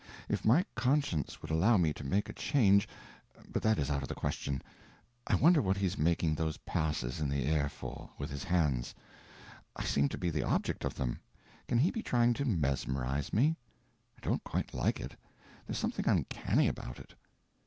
If my conscience would allow me to make a change, but that is out of the question. I wonder what he's making those passes in the air for, with his hands. I seem to be the object of them. Can he be trying to mesmerize me? I don't quite like it. There's something uncanny about it."